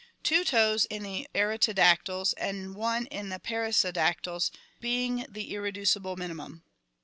6os),two toesin theartiodactylsandoneinthe perissodactyls being the irreducible minimum.